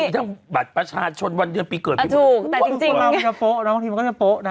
จริงมันก็จะโป๊ะแล้วทีมันก็จะโป๊ะนะ